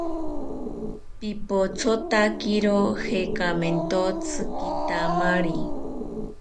Pipothotakiro jekamentotzi kitamari